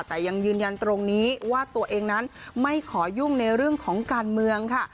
แต่ยังยืนยันตรงนี้ว่าตัวเองนั้นไม่ขอยุ่งในเรื่องของการเมืองค่ะ